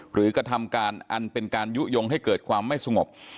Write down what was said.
กระทำการอันเป็นการยุโยงให้เกิดความไม่สงบ